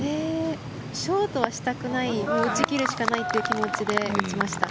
ショートはしたくない打ち切るしかないという気持ちで打ちました。